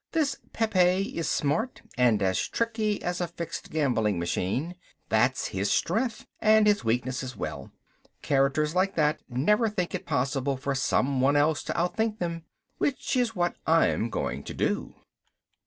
"This Pepe is smart and as tricky as a fixed gambling machine. That's his strength and his weakness as well. Characters like that never think it possible for someone else to outthink them. Which is what I'm going to do."